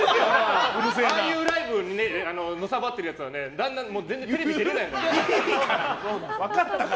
ああいうライブのさばってるやつはテレビ出れないから。